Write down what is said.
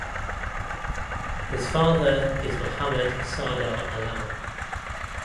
His father is Muhammad Sardar Alam.